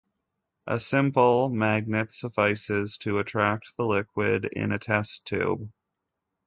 A simple magnet suffices to attract the liquid in a test tube.